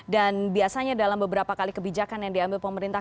dan biasanya dalam beberapa kali kebijakan yang diambil pemerintah